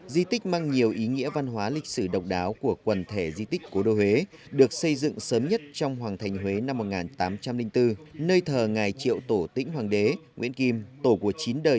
di tích mang nhiều ý nghĩa văn hóa lịch sử độc đáo của quần thể di tích cố đô huế được xây dựng sớm nhất trong hoàng thành huế năm một nghìn tám trăm linh bốn nơi thờ ngài triệu tổ tĩnh hoàng đế nguyễn kim tổ của chín đời